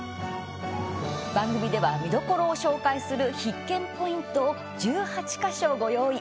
番組では見どころをご紹介する必見ポイントを１８か所ご用意。